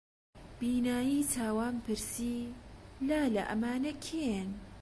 بینایی چاوان پرسی: لالە ئەمانە کێن؟